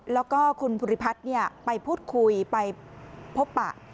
แล้วก็คุณภูริพัฒน์ไปพูดคุยไปพบปะ